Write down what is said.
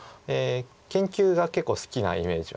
研究が結構好きなイメージはあります。